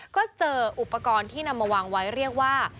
ก็เจออุปกรณ์ที่นำมาวางไว้เรียกว่า